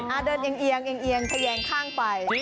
อ่ะเดินเองแขยงข้างไป